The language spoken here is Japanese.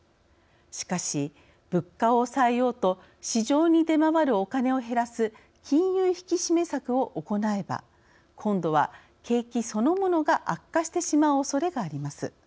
しかし、物価を抑えようと市場に出回るおカネを減らす金融引き締め策を行えば今度は景気そのものが悪化してしまうおそれがあります。